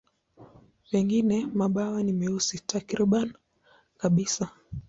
Pengine mabawa ni meusi takriban kabisa.